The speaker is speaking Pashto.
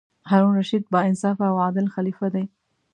هارون الرشید با انصافه او عادل خلیفه دی.